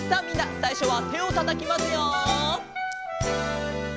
さいしょはてをたたきますよ。